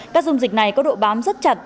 các dung dịch này có độ bám rất chặt